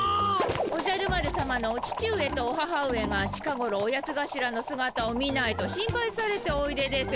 おじゃる丸さまのお父上とお母上が近ごろオヤツがしらのすがたを見ないと心配されておいでですよ。